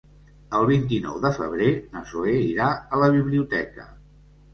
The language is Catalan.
El vint-i-nou de febrer na Zoè irà a la biblioteca.